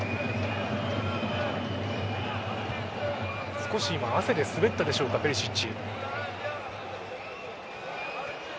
少し今汗で滑ったでしょうかペリシッチ。